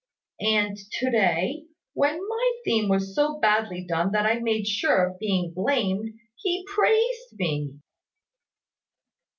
And to day, when my theme was so badly done that I made sure of being blamed, he praised me."